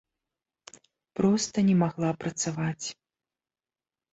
Проста не магла працаваць.